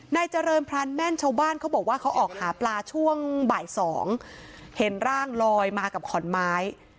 นายเจริญพรานแม่นชาวบ้านเขาบอกว่าเขาออกหาปลาช่วงบ่ายสองเห็นร่างลอยมากับขอนไม้